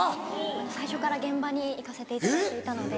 最初から現場に行かせていただいていたので。